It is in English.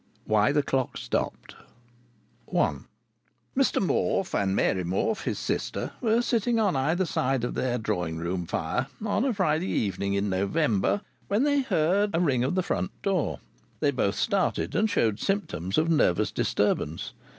WHY THE CLOCK STOPPED I Mr Morfe and Mary Morfe, his sister, were sitting on either side of their drawing room fire, on a Friday evening in November, when they heard a ring at the front door. They both started, and showed symptoms of nervous disturbance.